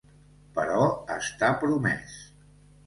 Però està promès.